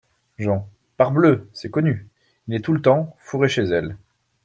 Jean. — Parbleu ! c’est connu ! il est tout le temps, fourré chez elle…